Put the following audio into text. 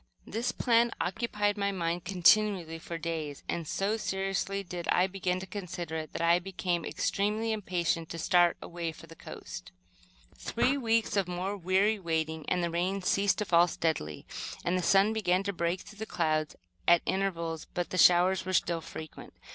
This plan occupied my mind continually for days, and, so seriously did I begin to consider it, that I became extremely impatient to start away for the coast. Three weeks more of weary waiting, and the rain ceased to fall steadily, and then the sun began to break through the clouds at intervals, but the showers were still frequent.